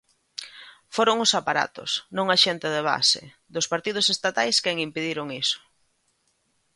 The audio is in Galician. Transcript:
Foron os aparatos, non a xente de base, dos partidos estatais quen impediron iso.